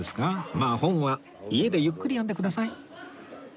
まあ本は家でゆっくり読んでください